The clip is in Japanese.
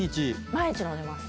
毎日飲んでます。